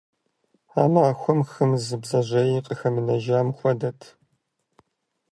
А махуэм хым зы бдзэжьеи къыхэмынэжам хуэдэт.